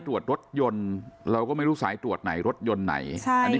ตรวจรถยนต์เราก็ไม่รู้สายตรวจไหนรถยนต์ไหนอันนี้